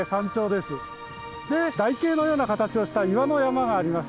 で台形のような形をした岩の山があります。